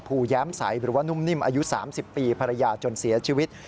แย้มใสหรือว่านุ่มนิ่มอายุ๓๐ปีภรรยาจนเสียชีวิต